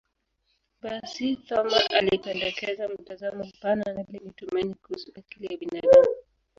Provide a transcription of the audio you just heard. Basi, Thoma alipendekeza mtazamo mpana na lenye tumaini kuhusu akili ya binadamu.